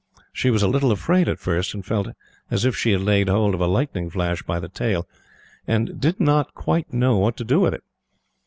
She was a little afraid at first, and felt as if she had laid hold of a lightning flash by the tail, and did not quite know what to do with it.